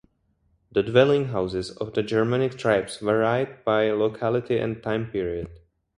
The dwelling houses of the Germanic tribes varied by locality and time period.